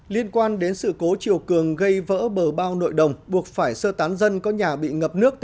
liên quan đến sự cố chiều cường gây vỡ bờ bao nội đồng buộc phải sơ tán dân có nhà bị ngập nước